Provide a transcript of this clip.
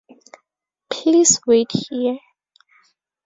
Please wait here.